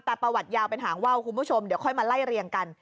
แต่ประวัติยาวเป็นหางว่าวคุณผู้ชมเดี๋ยวค่อยมาไล่เรียงกัน